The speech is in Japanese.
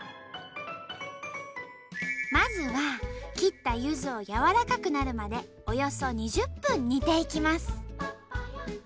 まずは切ったゆずを柔らかくなるまでおよそ２０分煮ていきます。